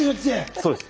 そうです。